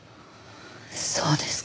そうですか。